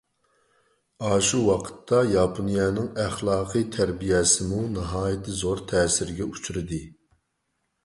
ئاشۇ ۋاقىتتا ياپونىيەنىڭ ئەخلاقىي تەربىيەسىمۇ ناھايىتى زور تەسىرگە ئۇچرىدى.